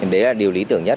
đấy là điều lý tưởng nhất